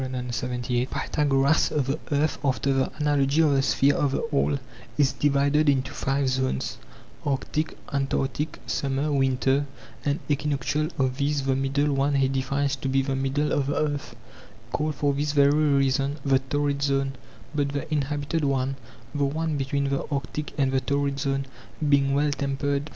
Pythagoras: The earth, after the analogy of the sphere of the all, is divided into five zones, arctic, antarctic, summer, winter, and equinoctial ; of these the middle one he defines to be the middle of the earth, called for this very reason the torrid zone; but the inhabited one [the one between the arctic and the torrid zones] being well tempered.